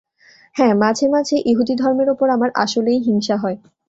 হ্যাঁ, মাঝেমাঝে ইহুদি ধর্মের ওপর আমার আসলেই হিংসা হয়।